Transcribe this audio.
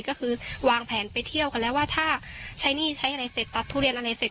ก็คือวางแผนไปเที่ยวกันแล้วว่าถ้าใช้หนี้ใช้อะไรเสร็จตัดทุเรียนอะไรเสร็จ